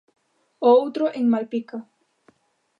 O outro en Malpica.